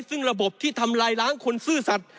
ซึ่งระบบที่ทำลายล้างคนซื่อสัตว